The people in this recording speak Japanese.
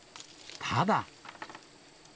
ただ。